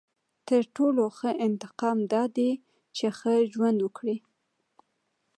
• تر ټولو ښه انتقام دا دی چې ښه ژوند وکړې.